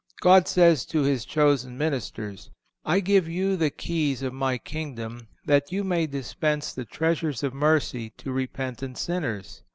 God says to His chosen ministers: I give you the keys of My kingdom, that you may dispense the treasures of mercy to repenting sinners.